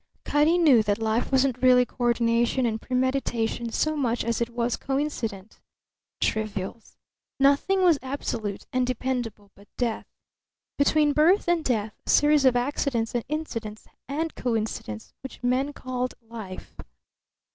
Cutty knew that life wasn't really coordination and premeditation so much as it was coincident. Trivials. Nothing was absolute and dependable but death; between birth and death a series of accidents and incidents and coincidents which men called life.